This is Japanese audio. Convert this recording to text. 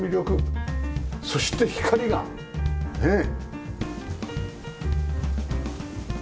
そして光がねえ。